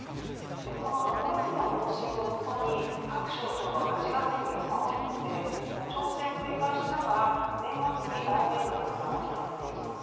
この６月の方針を基に各省庁が８月に予算を決めて調整を繰り返しながら年末に来年度の予算が決まってきます。